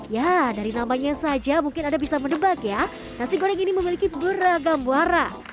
ya dari namanya saja mungkin anda bisa mendebak ya nasi goreng ini memiliki beragam warna